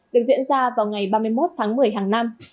được diễn ra vào ngày ba mươi một tháng một mươi hàng năm